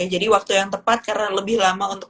jadi waktu yang tepat karena lebih lama untuk